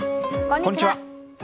こんにちは。